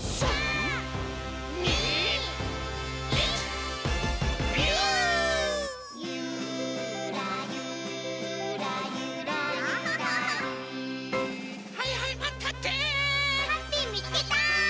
ハッピーみつけた！